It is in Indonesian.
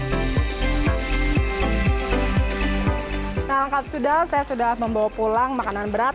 nah lengkap sudah saya sudah membawa pulang makanan berat